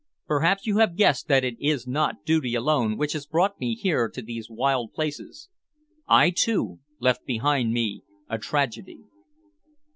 Perhaps you have guessed that it is not duty alone which has brought me here to these wild places. I, too, left behind me a tragedy."